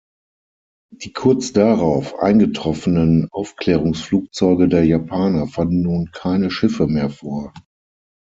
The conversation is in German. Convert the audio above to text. Die kurz darauf eingetroffenen Aufklärungsflugzeuge der Japaner fanden nun keine Schiffe mehr vor.